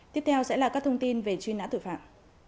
tiếp theo sẽ là các thông tin về truy nã tội phạm